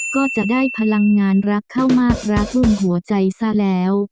ก็จะได้พลังงานรักเข้ามากรักรุ่นหัวใจซะแล้ว